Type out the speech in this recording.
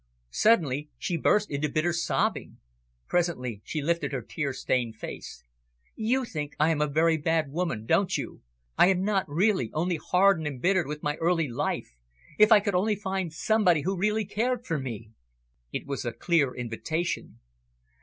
Suddenly she burst into bitter sobbing. Presently she lifted her tear stained face. "You think I am a very bad woman, don't you? I am not really, only hard and embittered with my early life. If I could only find somebody who really cared for me!" It was a clear invitation.